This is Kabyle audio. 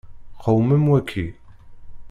Qewmem waki.